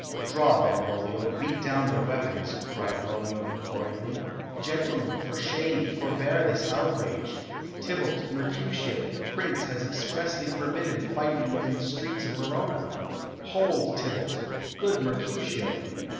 "Draw, Benvolio, beat down their weapons," cried Romeo imploringly. "Gentlemen, for shame, forbear this outrage! Tybalt, Mercutio, the Prince has expressly forbidden fighting in the streets of Verona. Hold, Tybalt! Good Mercutio!"